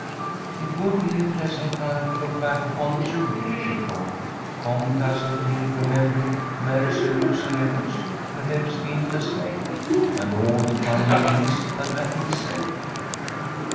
It would be a pleasant time to look back upon, too, she thought, complacently, remembering Mary's amusing efforts to help skin the snake, and all the funny things that had been said.